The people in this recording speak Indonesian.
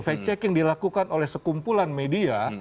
efek checking dilakukan oleh sekumpulan media